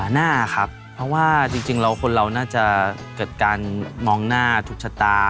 หน้าครับเพราะว่าจริงแล้วคนเราน่าจะเกิดการมองหน้าทุกชะตา